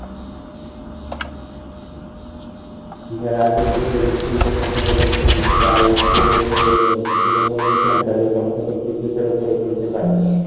যারা আগে থেকেই হৃৎপিণ্ডের সমস্যায় ভুগছেন, ডাইক্লোরোমিথেন তাদের সমস্যাকে তীব্রতর করে তুলতে পারে।